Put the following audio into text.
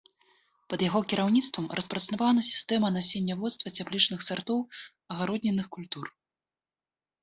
Пад яго кіраўніцтвам распрацавана сістэма насенняводства цяплічных сартоў агароднінных культур.